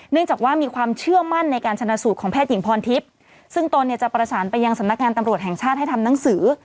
จากว่ามีความเชื่อมั่นในการชนะสูตรของแพทย์หญิงพรทิพย์ซึ่งตนเนี่ยจะประสานไปยังสำนักงานตำรวจแห่งชาติให้ทำหนังสือ